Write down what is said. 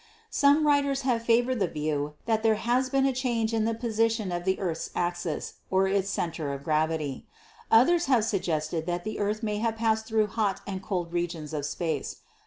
Some writers have favored the view that there has been a change in the position of the earth's axis or of its center of gravity. Others have suggested that the earth may have passed through hot and cold re gions of space.